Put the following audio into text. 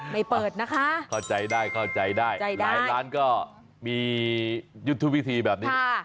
เปิดนะคะเข้าใจได้เข้าใจได้หลายร้านก็มียุทธวิธีแบบนี้